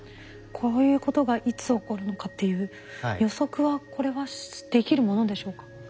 こういうことがいつ起こるのかっていう予測はこれはできるものでしょうか？